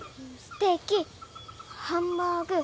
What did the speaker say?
ステーキハンバーグ